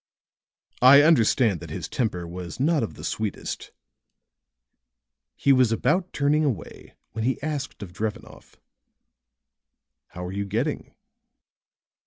"I understand that his temper was not of the sweetest." He was about turning away when he asked of Drevenoff: "How are you getting?"